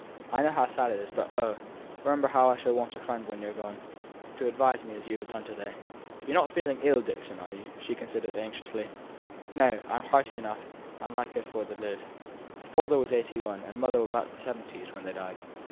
"I know how sad it is, but, oh! remember how I shall want a friend when you're gone, to advise me as you have done to day. You're not feeling ill, Dixon, are you?" she continued, anxiously. "No! I'm hearty enough, and likely for t' live. Father was eighty one, and mother above the seventies, when they died.